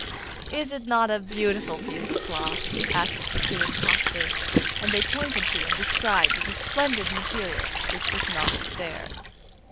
'Is it not a beautiful piece of cloth?' asked the two impostors, and they pointed to and described the splendid material which was not there.